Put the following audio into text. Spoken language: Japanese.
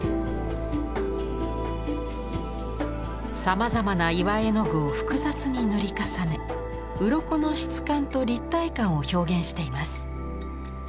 さまざまな岩絵の具を複雑に塗り重ねうろこの質感と立体感を表現しています。